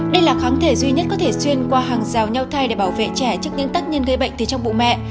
đây là kháng thể duy nhất có thể xuyên qua hàng rào nhau thai để bảo vệ trẻ trước những tác nhân gây bệnh từ trong bụ mẹ